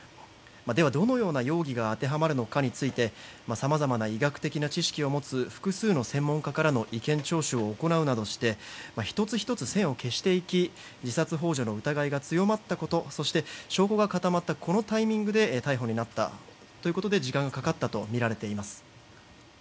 では、どのような容疑が当てはまるのかについてさまざまな医学的な知識を持つ複数の専門家からの意見聴取を行うなどして１つ１つ線を消していき自殺幇助の疑いが強まったことそして証拠が固まったこのタイミングで逮捕になったということで時間がかかったとみられています。